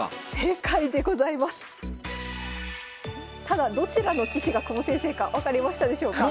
ただどちらの棋士が久保先生か分かりましたでしょうか？